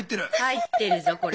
入ってるぞこれ。